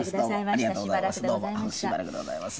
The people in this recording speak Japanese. しばらくでございます。